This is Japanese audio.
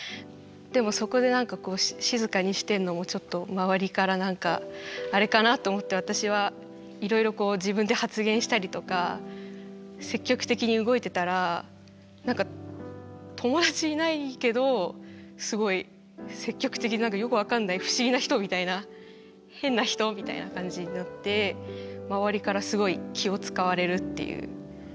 でもそこでなんかこう静かにしてるのもちょっと周りからなんかあれかなと思って私はいろいろこう自分で発言したりとか積極的に動いてたらなんか友達いないけどすごい積極的ななんかよく分かんない不思議な人みたいな変な人みたいな感じになっていいじゃないですか。